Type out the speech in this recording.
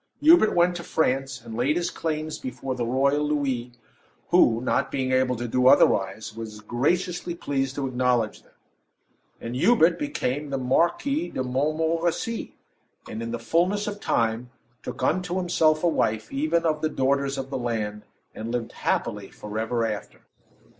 Hubert went to France, and laid his claims before the royal Louis, who, not being able to do otherwise, was graciously pleased to acknowledge them; and Hubert became the Marquis de Montmorenci, and in the fullness of time took unto himself a wife, even of the daughters of the land, and lived happy for ever after.